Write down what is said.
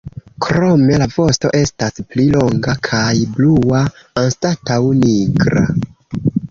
Krome la vosto estas pli longa kaj blua anstataŭ nigra.